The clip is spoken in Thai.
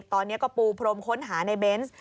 ตอนนี้ก็ปูพรมค้นหาในเบนส์